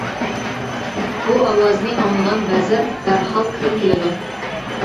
بۇ ئاۋازنى ئاڭلىغان ۋەزىر دەرھال كىرىپ كېلىدۇ.